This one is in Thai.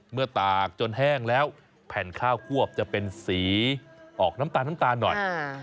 ตากจนแห้งแล้วแผ่นข้าวควบจะเป็นสีออกน้ำตาลน้ำตาลหน่อย